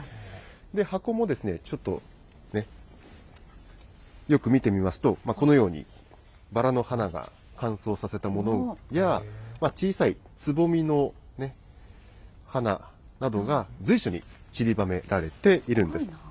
箱もちょっとよく見てみますと、このようにバラの花が乾燥させたものや、小さいつぼみの花などが随所にちりばめられているんです。